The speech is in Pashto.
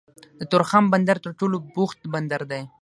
د تورخم بندر تر ټولو بوخت بندر دی